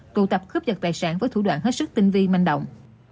tụ tập cướp vật tài sản với thủ đoạn hết sức tinh vi manh động